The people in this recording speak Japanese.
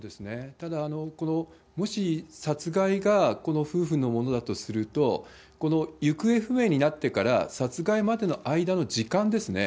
ただ、もし殺害がこの夫婦のものだとすると、この行方不明になってから殺害までの間の時間ですね。